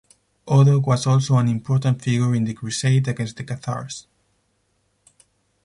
Odo was also an important figure in the Crusade against the Cathars.